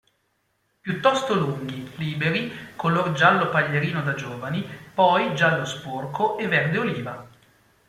Piuttosto lunghi, liberi, color giallo paglierino da giovani, poi giallo-sporco e verde oliva.